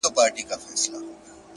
خو تر هرڅه ډېر